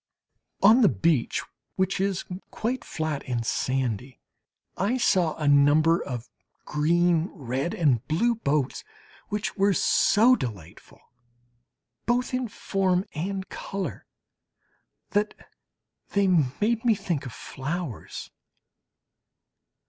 On the beach, which is quite flat and sandy, I saw a number of green, red and blue boats, which were so delightful both in form and colour, that they made me think of flowers.